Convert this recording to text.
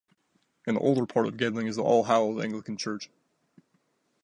In the older part of Gedling is All Hallows Anglican Church.